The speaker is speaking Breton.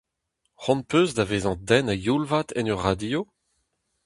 C'hoant az peus da vezañ den a-youl vat en ur radio ?